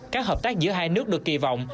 các hợp tác giữa hai nước được kỳ vọng